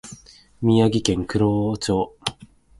宮城県蔵王町